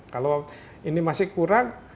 kalau ini masih kurang